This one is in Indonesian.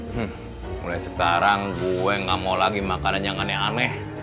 mulai sekarang gue gak mau lagi makanan yang aneh aneh